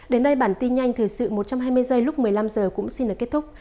đến đây bản tin nhanh thời sự một trăm hai mươi giây lúc một mươi năm h cũng xin được kết thúc